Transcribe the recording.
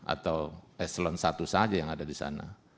atau eselon i saja yang ada di sana